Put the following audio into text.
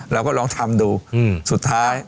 เราก็ลองทำดูสุดท้าย